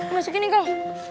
masuk gini kak